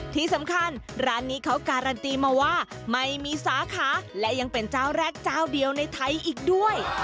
ที่สำคัญร้านนี้เขาการันตีมาว่าไม่มีสาขาและยังเป็นเจ้าแรกเจ้าเดียวในไทยอีกด้วย